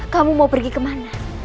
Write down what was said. kamu mau pergi kemana